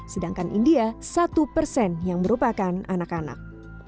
sedangkan india satu persen yang merupakan anak anak